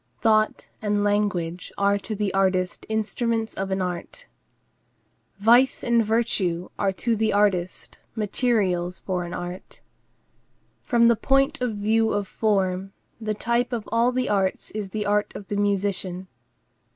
Thought and language are to the artist instruments of an art. Vice and virtue are to the artist materials for an art. From the point of view of form, the type of all the arts is the art of the musician.